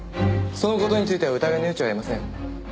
その事については疑いの余地はありません。